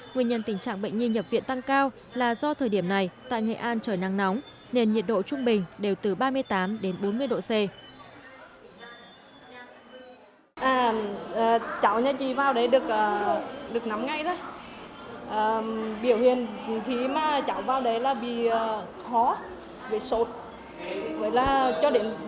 nguyên nhân tình trạng bệnh nhi nhập viện tăng cao là do thời điểm này tại nghệ an trời nắng nóng nền nhiệt độ trung bình đều từ ba mươi tám bốn mươi độ c